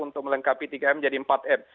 untuk melengkapi tiga m jadi empat m